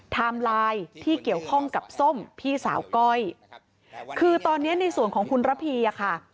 ไลน์ที่เกี่ยวข้องกับส้มพี่สาวก้อยคือตอนนี้ในส่วนของคุณระพีอ่ะค่ะ